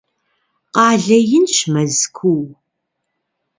Къалэ инщ Мэзкуу.